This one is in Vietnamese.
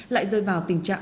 lại rơi vào tiền đồng năng